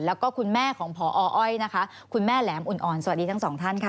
แล้วก็คุณแม่ของพออ้อยนะคะคุณแม่แหลมอุ่นอ่อนสวัสดีทั้งสองท่านค่ะ